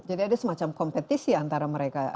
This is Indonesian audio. jadi ada semacam kompetisi antara mereka juga ya